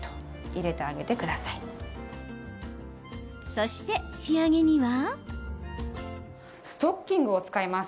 そして、仕上げには。